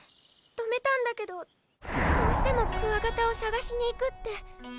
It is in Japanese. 止めたんだけどどうしてもクワガタを探しに行くって。